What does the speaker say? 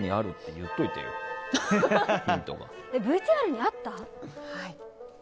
ＶＴＲにあった？